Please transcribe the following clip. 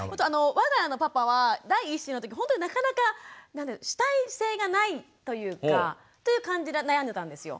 我が家のパパは第１子のときほんとになかなか主体性がないというかという感じで悩んでたんですよ。